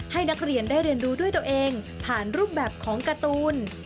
ให้นักเรียนได้เรียนรู้ด้วยตัวเองผ่านรูปแบบของการ์ตูน